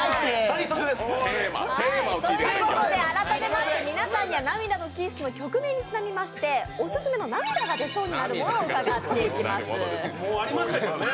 ということで改めまして、皆さんには「涙のキッス」の曲名にちなみまして、オススメの涙が出そうになったものをお聞きしていきます。